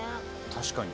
確かに。